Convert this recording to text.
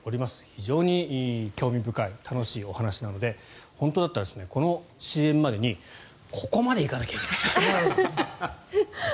非常に興味深い楽しいお話なので本当だったら、このＣＭまでにここまで行かなきゃいけない。